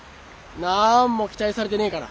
なんも期待されてねえから。